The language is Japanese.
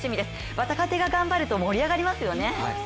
若手が頑張ると、盛り上がりますよね。